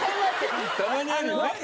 たまにある。